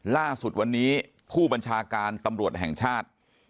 ล่าสุดวันนี้ผู้บัญชาการตำรวจแห่งชาติ